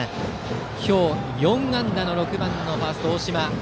今日、４安打の６番のファースト、大島。